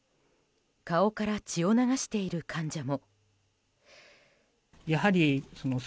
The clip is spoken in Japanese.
顔から血を流している患者も。